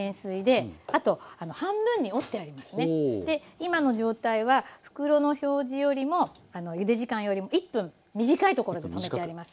今の状態は袋の表示よりもゆで時間よりも１分短いところで止めてあります。